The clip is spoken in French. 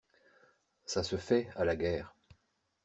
Ça se fait, à la guerre.